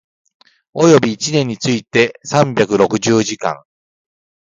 及び一年について三百六十時間